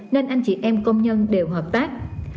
nên anh chị em công nhân đều hợp tác